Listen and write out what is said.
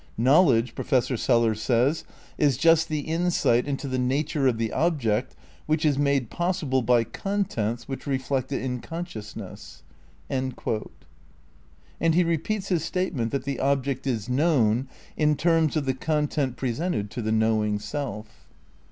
Knowledge, Professor Sellars says, "is just the insight into the nature of the object which is made possible by contents which reflect it in consciousness." And he repeats his statement that the object is known in terms of the content presented to the knowing self.